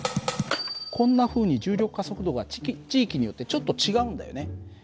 こんなふうに重力加速度が地域によってちょっと違うんだよね。